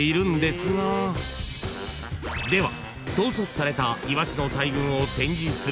［では］